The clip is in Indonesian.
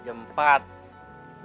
udah jam empat